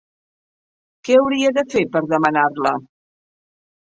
Que hauria de fer per demanar-la?